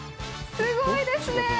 すごいですね。